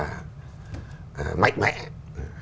thật là mạnh mẽ